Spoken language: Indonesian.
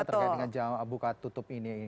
terkait dengan jam buka tutup ini